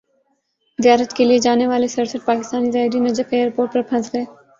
زیارت کیلئے جانے والے سرسٹھ پاکستانی زائرین نجف ایئرپورٹ پر پھنس گئے